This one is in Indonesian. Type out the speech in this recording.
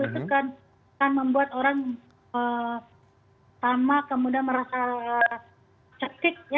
itu kan membuat orang sama kemudian merasa cektik